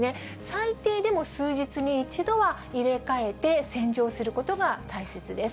最低でも数日に一度は入れ替えて、洗浄することが大切です。